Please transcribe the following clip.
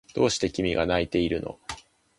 どうして君が泣いているの？